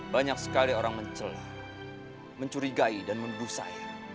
banyak sekali orang mencelah mencurigai dan membusai